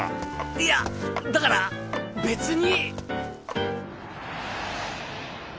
いやだから別に。